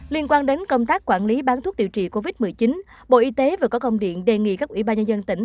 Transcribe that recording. liên quan đến công tác quản lý bán thuốc điều trị covid một mươi chín bộ y tế vừa có công điện đề nghị các ủy ban nhân dân tỉnh